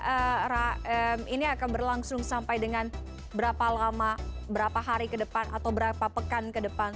eee ram ini akan berlangsung sampai dengan berapa lama berapa hari ke depan atau berapa pekan ke depan